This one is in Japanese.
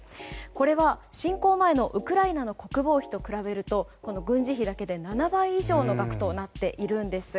これは、侵攻前のウクライナの国防費と比べると軍事費だけで７倍以上の額となっているんです。